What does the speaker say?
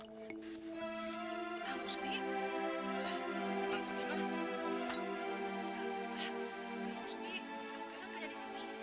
kan harus di